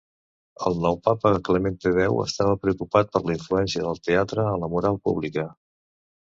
El nou papa Clement X estava preocupat per la influència del teatre a la moral pública.